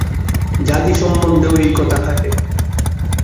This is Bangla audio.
জাতি সম্বন্ধেও এই কথা খাটে।